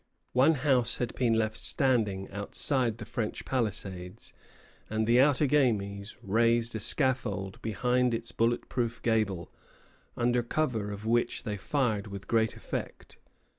One house had been left standing outside the French palisades, and the Outagamies raised a scaffold behind its bullet proof gable, under cover of which they fired with great effect.